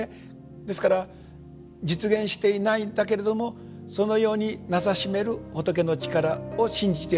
ですから実現していないんだけれどもそのようになさしめる仏の力を信じていることは確かだったと。